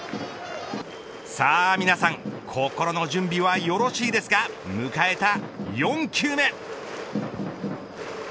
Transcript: さあ皆さん心の準備はよろしいですか迎えた４球目。